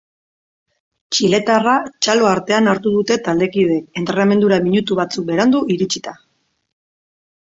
Txiletarra txalo artean hartu dute taldekideek entrenamendura minutu batzuk berandu iritsita.